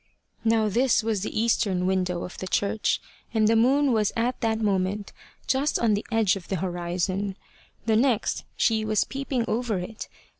Now this was the eastern window of the church, and the moon was at that moment just on the edge of the horizon. The next, she was peeping over it.